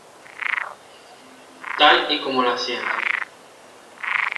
tal y como las siento.